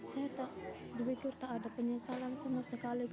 saya tak berpikir tak ada penyesalan sama sekali